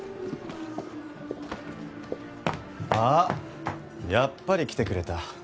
あっやっぱり来てくれた。